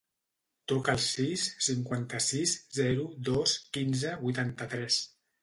Truca al sis, cinquanta-sis, zero, dos, quinze, vuitanta-tres.